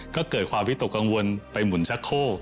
ก็เกิดความวิตกกังวลไปหมุนชักโค